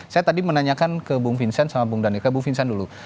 saya tadi menanyakan ke bung vincent dulu